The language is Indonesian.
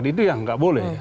itu yang tidak boleh